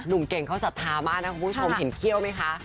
หนุ่มเก่งเขาศรัทธามากนะคุณผู้ชมเห็นเขี้ยวไหมคะ